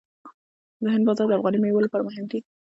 د هند بازار د افغاني میوو لپاره مهم دی.